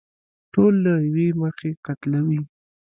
ټول له يوې مخې قتلوي.